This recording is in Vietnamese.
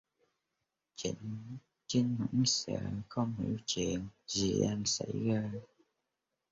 Chinh hoảng sợ không hiểu chuyện gì đang xảy ra